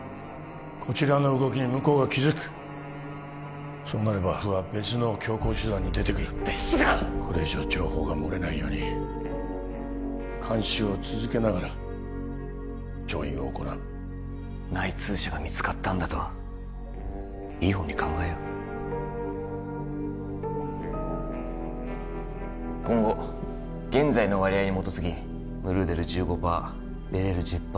こちらの動きに向こうが気づくそうなれば政府は別の強硬手段に出てくるですがこれ以上情報がもれないように監視を続けながら調印を行う内通者が見つかったんだといいほうに考えよう今後現在の割合に基づきムルーデル１５％ベレール１０％